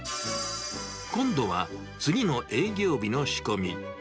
今度は次の営業日の仕込み。